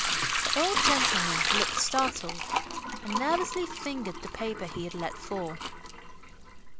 The old gentleman looked startled and nervously fingered the paper he had let fall.